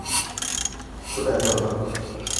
kudha torba